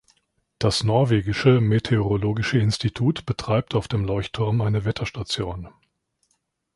Das norwegische meteorologische Institut betreibt auf dem Leuchtturm eine Wetterstation.